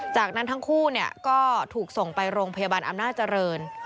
จากนั้นทั้งคู่ก็ถูกส่งไปโรงพยาบาลอำนาจเจริญ